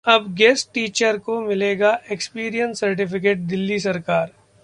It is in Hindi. अब गेस्ट टीचर्स को मिलेगा एक्सपीरियंस सर्टिफिकेट: दिल्ली सरकार